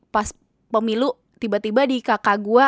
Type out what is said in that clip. pas pemilu tiba tiba di kakak gue